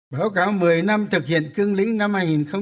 báo cáo một mươi năm thực hiện cương lĩnh năm hai nghìn một mươi một